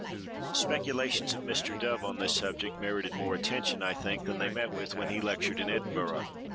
The speculations of Mr. Dove on this subject merited more attention, I think, than they met with when he lectured in Edinburgh.